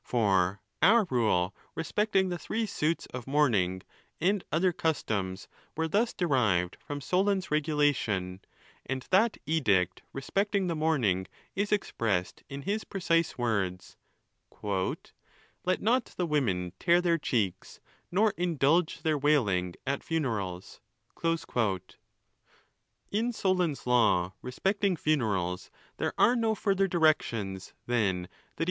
For our, rule respecting the three suits of mourning, and other customs, were thus derived from Solon's regulation ; and that edict respecting the mournmg is expressed in his precise words: "Let not the women tear their cnn, nor indulge their wailing at funerals." XXVI..In Solon's law respecting funerals, ein are no further directions than that he.